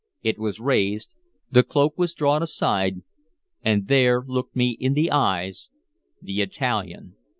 It was raised, the cloak was drawn aside, and there looked me in the eyes the Italian.